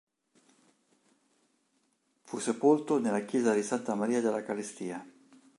Fu sepolto nella chiesa di Santa Maria della Celestia.